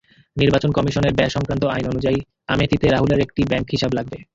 নির্বাচন কমিশনের ব্যয়সংক্রান্ত আইন অনুযায়ী আমেথিতে রাহুলের একটি ব্যাংক হিসাব লাগবে।